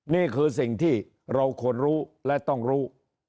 นี่คือสิ่งที่เราควรรู้และต้องรู้